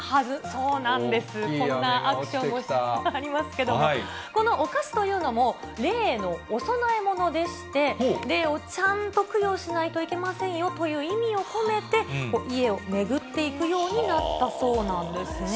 そうなんです、こんなアクションもありますけど、このお菓子というのも、霊のお供え物でして、霊をちゃんと供養しないといけませんよという意味を込めて、家を巡っていくようになったそうなんですね。